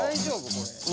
これ。